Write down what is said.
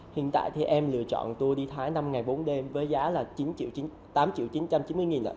hiện tại thì em lựa chọn tour đi thái năm ngày bốn đêm với giá là tám chín trăm chín mươi đồng